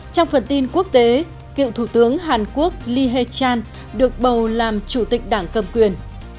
trong phần tin quốc tế cựu thủ tướng hàn quốc leehe chan được bầu làm chủ tịch đảng cầm quyền